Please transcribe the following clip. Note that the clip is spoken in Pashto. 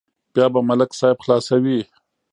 بیا به ملک صاحب خلاصوي.